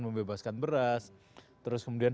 membebaskan beras terus kemudian